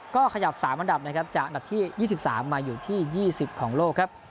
ก็ขยับ๓อันดับนะครับจากอันดับที่๒๓มาอยู่ที่๒๐ของโลกครับ